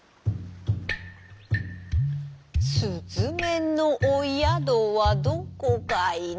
「すずめのおやどはどこかいな」